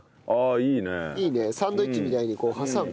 いいねサンドイッチみたいにこう挟む。